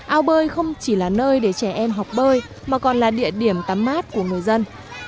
ao bơi không chỉ là nơi để trẻ em học bơi mà còn là địa điểm tắm mát của người dân